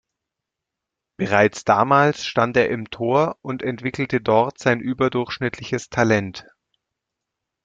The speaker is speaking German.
Bereits damals stand er im Tor und entwickelte dort sein überdurchschnittliches Talent.